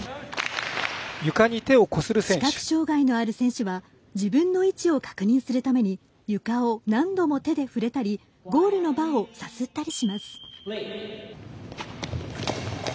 視覚障がいのある選手は自分の位置を確認するために床を何度も手で触れたりゴールのバーをさすったりします。